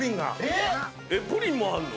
えっプリンもあんの？